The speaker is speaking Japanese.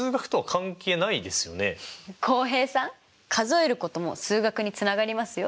浩平さん数えることも数学につながりますよ。